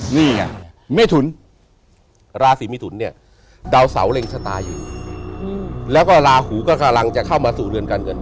นี่ไงเมถุนราศีมิถุนเนี่ยดาวเสาเล็งชะตาอยู่แล้วก็ลาหูก็กำลังจะเข้ามาสู่เรือนการเงิน